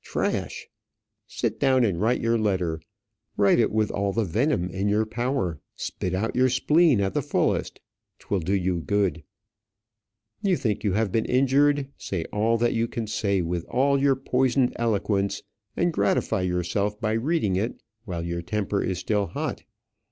Trash! Sit down and write your letter; write it with all the venom in your power; spit out your spleen at the fullest; 'twill do you good; you think you have been injured; say all that you can say with all your poisoned eloquence, and gratify yourself by reading it while your temper is still hot.